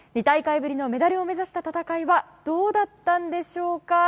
２大会ぶりのメダルを目指した戦いはどうだったんでしょうか？